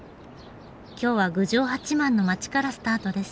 今日は郡上八幡の街からスタートです。